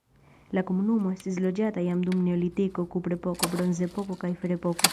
La komunumo estis loĝata jam dum neolitiko, kuprepoko, bronzepoko kaj ferepoko.